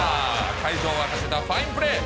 会場を沸かせたファインプレー。